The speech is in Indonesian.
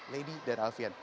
lady dan alvian